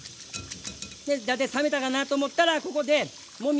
で大体冷めたかなと思ったらここでもみ洗いする。